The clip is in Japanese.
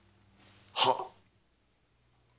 はっ！